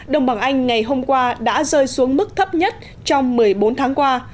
đồng bằng anh ngày hôm qua đã rơi xuống mức thấp nhất trong một mươi bốn tháng qua